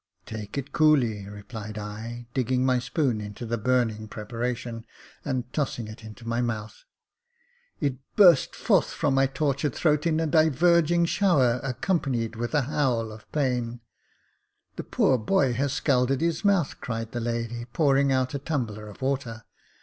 " Take it coolly," replied I, digging my spoon into the burning preparation, and tossing it into my mouth. It burst forth from my tortured throat in a diverging shower, accompanied with a howl of pain. *' The poor boy has scalded his mouth," cried the lady, pouring out a tumbler of water.